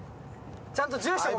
ちゃんと住所も。